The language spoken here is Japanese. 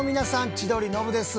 千鳥ノブです。